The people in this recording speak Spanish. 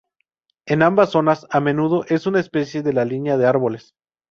En ambas zonas, a menudo es una especie de la línea de árboles.